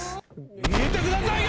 入れてくださいよ！